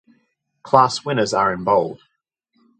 Class winners are in bold.